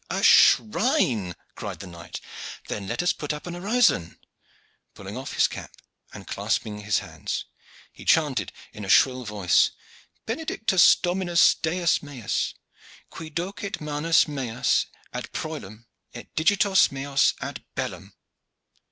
"A shrine!" cried the knight. "Then let us put up an orison." Pulling off his cap, and clasping his hands, he chanted in a shrill voice: "Benedictus dominus Deus meus, qui docet manus meas ad proelium, et digitos meos ad bellum."